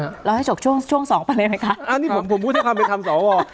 เราให้จบช่วงช่วงสองไปเลยไหมคะอันนี้ผมผมพูดด้วยความเป็นธรรมสว